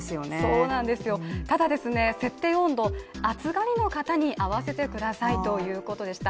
そうなんですよ、ただ、設定温度、暑がりの方に合わせてくださいということでした。